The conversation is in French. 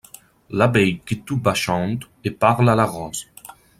L'abeille qui tout bas chante et parle à la rose